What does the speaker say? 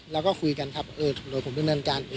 แล้วก็คุยกันครับโดยผมก็เหมือนกัน